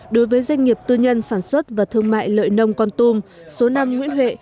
đối với doanh nghiệp tư nhân sản xuất và thương mại lợi nông con tum số năm nguyễn huệ